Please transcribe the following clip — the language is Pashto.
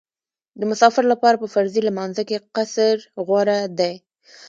د مسافر لپاره په فرضي لمانځه کې قصر غوره دی